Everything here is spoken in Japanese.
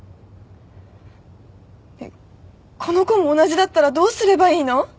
この子も同じだったらどうすればいいの？